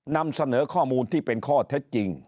นำเสนอข้อมูลที่เป็นข้อเท็จจริง